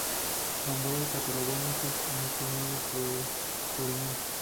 Nombró y catalogó muchos de estos nuevos descubrimientos.